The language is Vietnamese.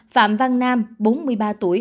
phạm văn nam bốn mươi ba tuổi